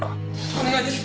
お願いです。